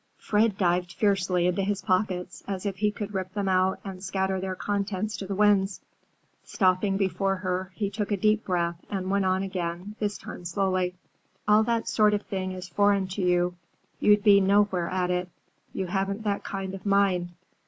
Fred dived fiercely into his pockets as if he would rip them out and scatter their contents to the winds. Stopping before her, he took a deep breath and went on again, this time slowly. "All that sort of thing is foreign to you. You'd be nowhere at it. You haven't that kind of mind.